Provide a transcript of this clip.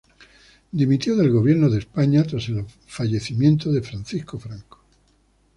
Dimitió del Gobierno de España tras el fallecimiento de Francisco Franco.